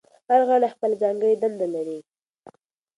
هر غړی خپله ځانګړې دنده لري.